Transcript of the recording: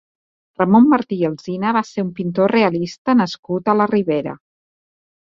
Ramon Martí i Alsina va ser un pintor realista nascut a la Ribera.